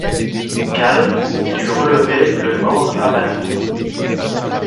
Calme, il eût relevé le morne abattement